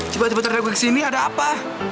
coba tiba terdegu ke sini ada apa